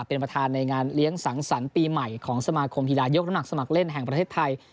เป็นประธานในงานเลี้ยงสังสรรค์ปีใหม่ของสมาคมกีฬายกน้ำหนักสมัครเล่นแห่งประเทศไทย